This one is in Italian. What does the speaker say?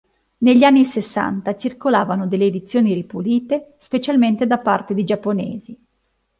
Negli anni sessanta circolavano delle edizioni ripulite, specialmente da parte di giapponesi.